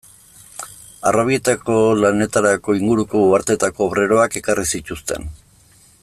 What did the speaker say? Harrobietako lanetarako inguruko uharteetako obreroak ekarri zituzten.